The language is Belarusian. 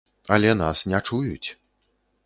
Але нас не чуюць!